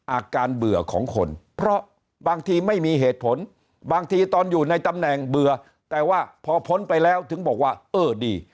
อาการเบื่อของคนเพราะบางทีไม่มีเหตุผลบางทีตอนอยู่ในตำแหน่งเบื่อแต่ว่าพอพ้นไปแล้วถึงบอกว่าเออดี